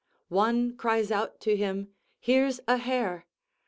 One cries out to him, "Here's a hare!"